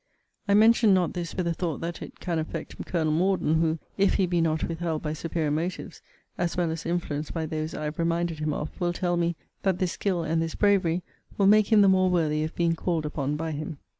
I mention not this with a thought that it can affect Col. Morden; who, if he be not withheld by SUPERIOR MOTIVES, as well as influenced by those I have reminded him of, will tell me, that this skill, and this bravery, will make him the more worthy of being called upon by him.